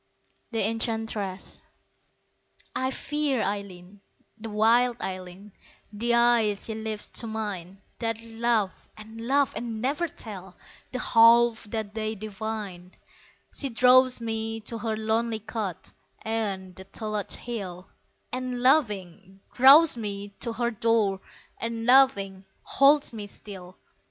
The Enchantress I FEAR Eileen, the wild Eileen The eyes she lifts to mine, That laugh and laugh and never tell The half that they divine! She draws me to her lonely cot Ayont the Tulloch Hill; And, laughing, draws me to her door And, laughing, holds me still.